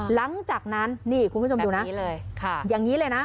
หลังจากนั้นคุณผู้ชมดูนะ